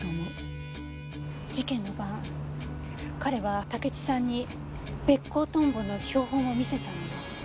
事件の晩彼は竹地さんにベッコウトンボの標本を見せたのよ。